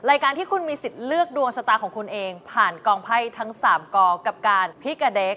รายการที่คุณมีสิทธิ์เลือกดวงชะตาของคุณเองผ่านกองไพ่ทั้ง๓กองกับการพี่กับเด็ก